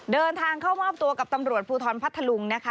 เดินทางเข้ามอบตัวกับตำรวจภูทรพัทธลุงนะคะ